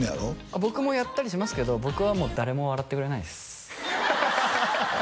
僕もやったりしますけど僕は誰も笑ってくれないんですハハハハハ